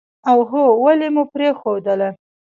اوهووو ولې مو پرېښودله.